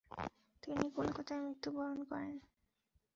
তিনি কলকাতায় মৃত্যুবরণ করেন।